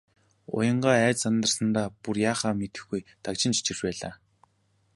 Уянгаа айж сандрахдаа бүр яахаа мэдэхгүй дагжин чичирч байлаа.